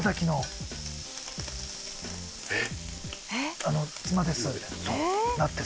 えっ！